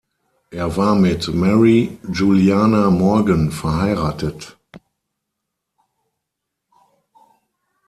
Er war mit Mary Juliana Morgan verheiratet.